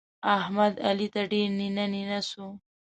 احمد؛ علي ته ډېر نينه نينه سو.